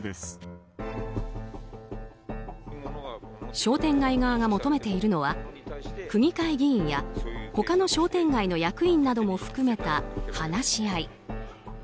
商店街側が求めているのは区議会議員や他の商店街の役員なども含めた話し合い。